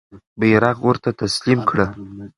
بیرغ ورته تسلیم کړه.